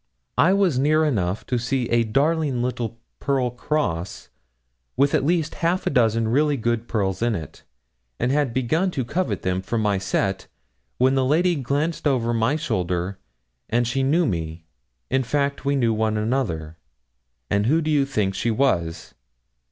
I was near enough to see such a darling little pearl cross, with at least half a dozen really good pearls in it, and had begun to covet them for my set, when the lady glanced over my shoulder, and she knew me in fact, we knew one another and who do you think she was?